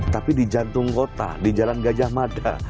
tapi di jantung kota di jalan gajah mada